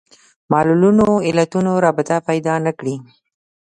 معلولونو علتونو رابطه پیدا نه کړي